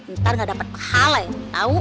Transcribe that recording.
ntar gak dapet pahala